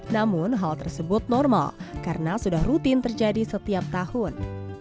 namun hal tersebut normal karena sudah rutin terjadi setiap tahun